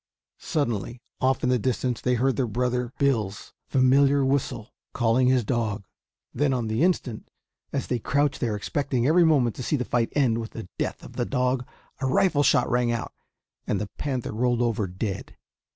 Suddenly off in the distance they heard their brother Bill's familiar whistle calling his dog. Then on the instant, as they crouched there, expecting every moment to see the fight end with the death of the dog, a rifle shot rang out and the panther rolled over dead.